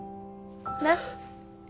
なっ？